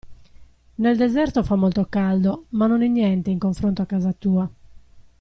Nel deserto fa molto caldo, ma non è niente in confronto a casa tua.